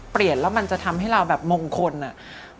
เปลี่ยนแล้วมันจะทำให้เราแบบมงคลอ่ะ